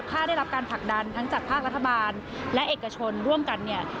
ถ้าได้รับการผลักดันทั้งจากภาครัฐบาลและเอกชนร่วมกันเนี่ย